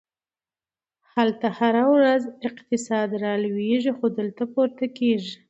هلته هره ورځ اقتصاد رالویږي، خو دلته پورته کیږي!